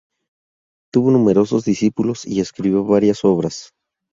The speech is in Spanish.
Tuvo numerosos discípulos y escribió varias obras.